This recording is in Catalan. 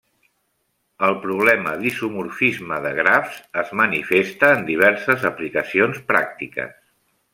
El problema d'isomorfisme de grafs es manifesta en diverses aplicacions pràctiques.